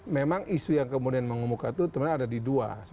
memang isu yang kemudian mengemuka itu sebenarnya ada di dua